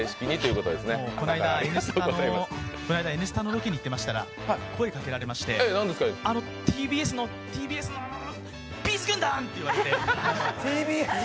この間、「Ｎスタ」のロケに行ってましたら声をかけられましてあの、ＴＢＳのＴＢＳのＢ’ｚ軍団！って言われて。